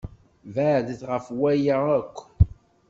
Beɛdet ɣef waya akk!